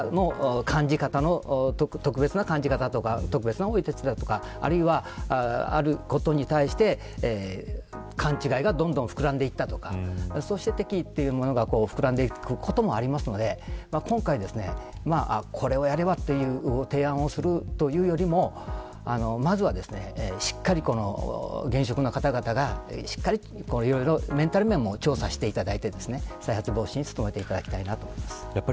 この方の感じ方の特別な感じ方とかあるいは、あることに対して勘違いがどんどん膨らんでいったとかそして敵意が膨らんでいくこともありますので今回これをやればという提案をするというよりもまずはしっかり現職の方々がいろいろメンタル面も調査していただいて再発防止に努めていただきたい